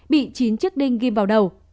bị chín chiếc đinh ghim vào đầu